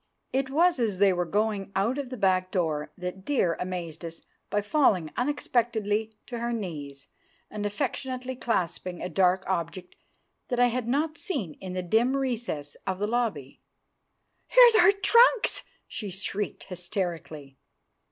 It was as they were going out of the back door that Dear amazed us by falling unexpectedly to her knees and affectionately clasping a dark object that I had not seen in the dim recess of the lobby. "Here's our trunks!" she shrieked hysterically.